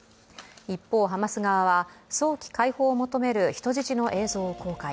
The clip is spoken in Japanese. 一方、ハマス側が早期解放を求める人質の映像を公開。